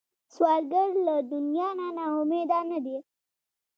سوالګر له دنیا نه نا امیده نه دی